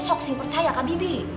yang percaya kak bibi